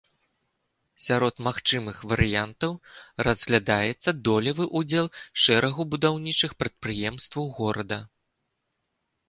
Сярод магчымых варыянтаў разглядаецца долевы ўдзел шэрагу будаўнічых прадпрыемстваў горада.